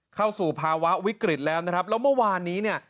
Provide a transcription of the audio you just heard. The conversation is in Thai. เข้าสู่ภาวะวิกฤตแล้วนะครับแล้วเมื่อวานนี้เนี่ย